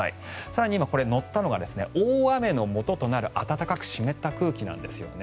更に今、載ったのが大雨のもととなる暖かく湿った空気なんですね。